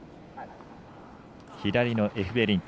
左のエフベリンク。